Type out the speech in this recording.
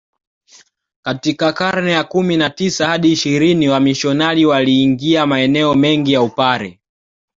Katika karne ya kumi na tisa hadi ishirini wamisionari waliingia maeneo mengi ya Upare